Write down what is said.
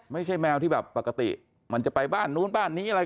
แมวที่แบบปกติมันจะไปบ้านนู้นบ้านนี้อะไร